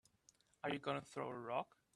Are you gonna throw a rock?